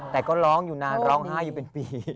แต่ก็ร้องอยู่นานร้องไห้อยู่เป็นปี